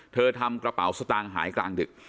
ทำกระเป๋าสตางค์หายกลางดึก